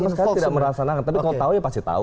sama sekali tidak merencanakan tapi kalau tahu ya pasti tahu